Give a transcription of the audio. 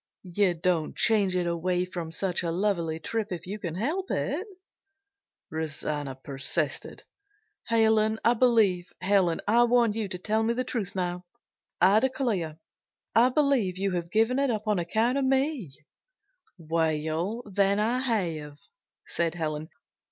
"You don't change it away from such a lovely trip if you can help it," Rosanna persisted. "Helen, I believe Helen, I want you to tell me the truth now. I declare I believe you have given it up on account of me!" "Well, then I have," said Helen.